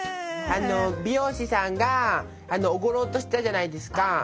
美容師さんがおごろうとしたじゃないですか。